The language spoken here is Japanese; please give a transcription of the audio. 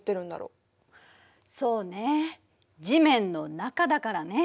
そうね地面の中だからね。